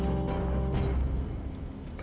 apa itu bisa jadi